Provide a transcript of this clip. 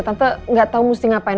tante gak tau mesti ngapain